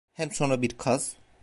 Hem sonra bir kaz…